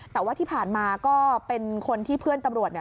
แต่ว่าที่ผ่านมาก็เป็นคนที่เพื่อนตำรวจ